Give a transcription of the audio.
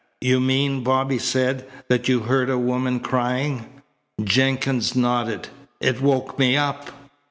"You mean," Bobby said, "that you heard a woman crying?" Jenkins nodded. "It woke me up."